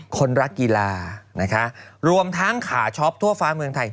คนรักกีฬานะคะรวมทั้งขาช็อปทั่วฟ้าเมืองไทย